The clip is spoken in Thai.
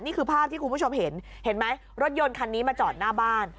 นี่คือภาพที่คุณผู้ชมเห็นเห็นไหมรถยนต์คันนี้มาจอดหน้าบ้าน